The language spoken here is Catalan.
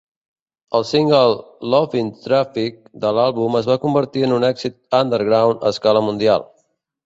El single "Love In Traffic" de l'àlbum es va convertir en un èxit underground a escala mundial.